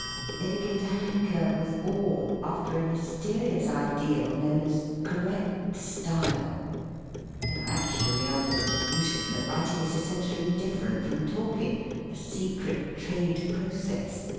They begin to hanker, with awe, after a mysterious ideal known as "correct style.*' They are actually under the delusion that writing is essentially different from talking — a secret trade process!